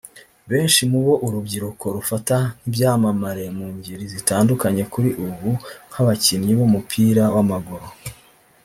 Benshi mu bo urubyiruko rufata nk’ibyamamare mu ngeri zitandukanye kuri ubu nk’abakinnyi b’umupira w’amaguru